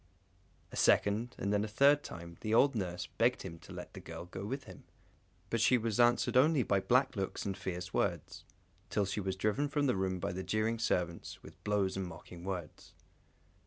A second, and then a third time, the old nurse begged him to let the girl go with him, but she was answered only by black looks and fierce words, till she was driven from the room by the jeering servants, with blows and mocking words.